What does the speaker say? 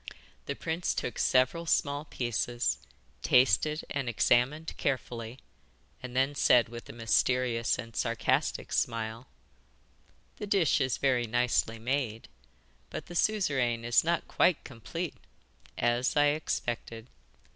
The prince took several small pieces, tasted and examined carefully, and then said with a mysterious and sarcastic smile: 'The dish is very nicely made, but the Suzeraine is not quite complete as I expected.